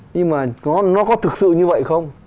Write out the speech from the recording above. nhưng mà nó có thực sự như vậy không